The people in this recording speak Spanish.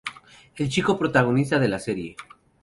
El chico protagonista de la serie.